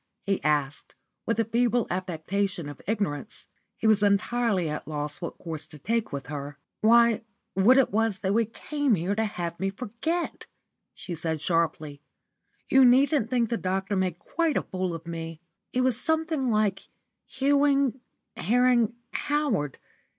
he asked, with a feeble affectation of ignorance. He was entirely at loss what course to take with her. "Why, what it was that we came here to have me forget," she said, sharply. "You needn't think the doctor made quite a fool of me. It was something like hewing, harring, Howard.